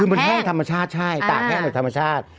คือมันแห้งธรรมชาติใช่ตากแห้งแบบธรรมชาติ